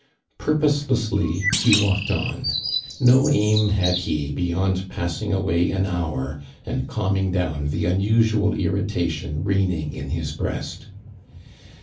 Purposelessly lie walked on. No aim had he beyond jisissing away an hour, and calm ing down the unusual irritation reigning ia his breast.